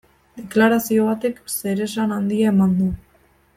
Deklarazio batek zeresan handia eman du.